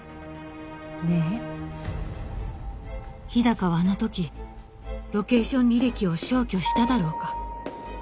ねっ日高はあの時ロケーション履歴を消去しただろうか？